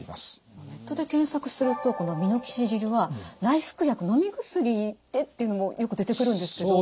ネットで検索するとこのミノキシジルは内服薬のみ薬でっていうのもよく出てくるんですけど。